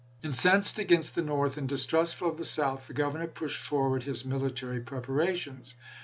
Incensed against the North and distrustful of the South, the Governor pushed forward his military preparations.